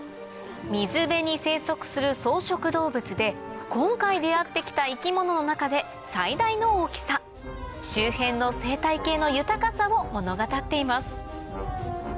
水辺に生息する草食動物で今回出合ってきた生き物の中で最大の大きさ周辺の生態系の豊かさを物語っています